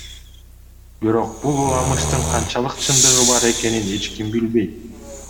Бирок бул уламыштын канчалык чындыгы бар экенин эч ким билбейт.